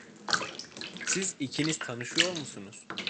Siz ikiniz tanışıyor musunuz?